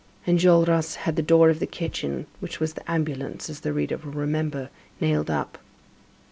Enjolras had the door of the kitchen, which was the ambulance, as the reader will remember, nailed up.